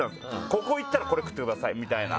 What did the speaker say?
ここ行ったらこれ食ってくださいみたいな。